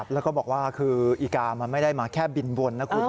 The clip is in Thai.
แล้วก็บอกว่าคืออีกามันไม่ได้มาแค่บินวนนะคุณ